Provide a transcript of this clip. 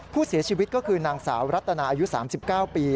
ผู้เสียชีวิตก็คือนางสาวรัตนาอายุ๓๙ปี